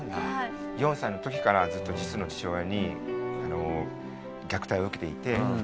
４歳の時からずっと実の父親に虐待を受けていて。